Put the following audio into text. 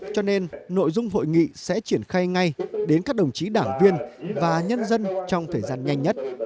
cho nên nội dung hội nghị sẽ triển khai ngay đến các đồng chí đảng viên và nhân dân trong thời gian nhanh nhất